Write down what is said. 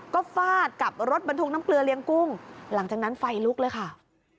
ก็ฟาดกับรถบรรทุกน้ำเกลือเลี้ยงกุ้งหลังจากนั้นไฟลุกเลยค่ะ